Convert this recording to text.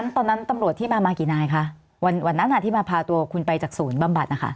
ตอนนั้นตำรวจที่มามากี่นายคะวันนั้นที่มาพาตัวคุณไปจากศูนย์บำบัดนะคะ